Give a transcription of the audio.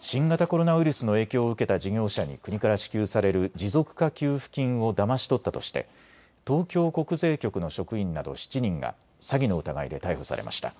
新型コロナウイルスの影響を受けた事業者に国から支給される持続化給付金をだまし取ったとして東京国税局の職員など７人が詐欺の疑いで逮捕されました。